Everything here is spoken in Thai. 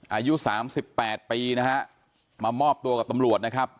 อายุ๓๘ปีมามอบตัวกับตำรวจนะครับ